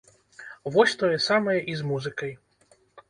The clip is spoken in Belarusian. Вось тое самае і з музыкай.